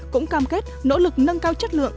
cũng cam kết nỗ lực nâng cao chất lượng